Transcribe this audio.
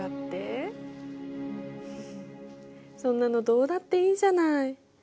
そんなのどうだっていいじゃない。